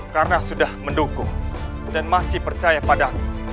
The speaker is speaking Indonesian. karena sudah mendukung dan masih percaya padamu